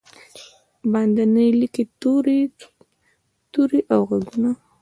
باندې لیکې توري، توري او ږغونه